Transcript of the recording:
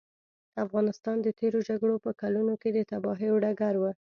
افغانستان د تېرو جګړو په کلونو کې د تباهیو ډګر و.